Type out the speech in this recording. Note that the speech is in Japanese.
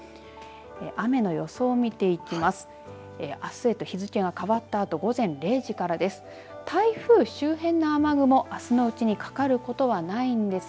雨の予想を見ていきます。